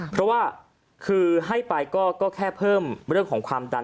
เพราะว่าคือให้ไปก็แค่เพิ่มเรื่องของความดัน